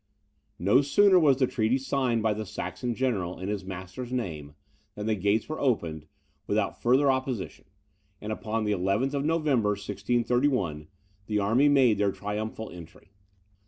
No sooner was the treaty signed by the Saxon general, in his master's name, than the gates were opened, without farther opposition; and upon the 11th of November, 1631, the army made their triumphal entry.